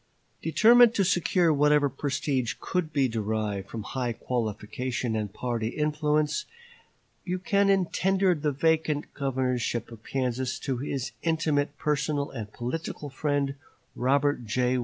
Determined to secure whatever prestige could be derived from high qualification and party influence, Buchanan tendered the vacant governorship of Kansas to his intimate personal and political friend, Robert J.